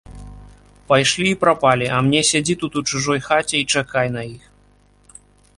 Пайшлі і прапалі, а мне сядзі тут у чужой хаце і чакай на іх.